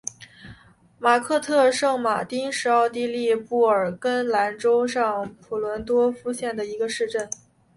马克特圣马丁是奥地利布尔根兰州上普伦多夫县的一个市镇。